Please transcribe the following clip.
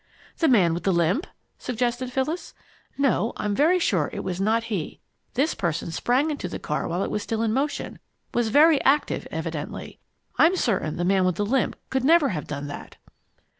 "The man with the limp?" suggested Phyllis. "No, I'm very sure it was not he. This person sprang into the car while it was still in motion was very active, evidently. I'm certain the man with the limp could never have done that!"